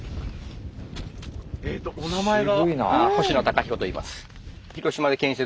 えっとお名前が。